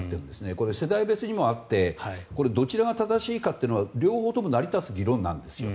これ、世代別にもあってどちらが正しいかは両方とも成り立つ議論なんです。